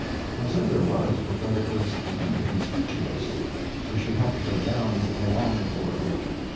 I said there was, but that it was very conspicuous. We should have to go down the long corridor.